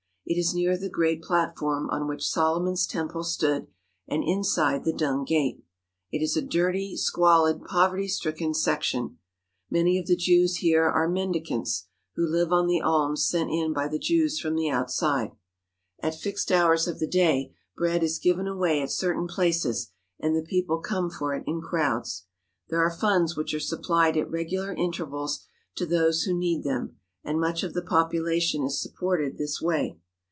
It is near the great plat form on which Solomon's Temple stood and inside the Dung Gate. It is a dirty, squalid, poverty stricken sec tion. Many of the Jews here are mendicants, who live on the alms sent in by the Jews from the outside. At fixed hours of the day bread is given away at certain places and the people come for it in crowds. There are funds which are supplied at regular intervals to those who need them, and much of the population is supported this way.